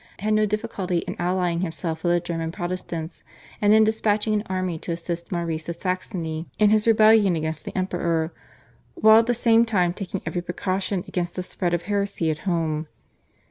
had no difficulty in allying himself with the German Protestants, and in despatching an army to assist Maurice of Saxony in his rebellion against the Emperor, while at the same time taking every precaution against the spread of heresy at home.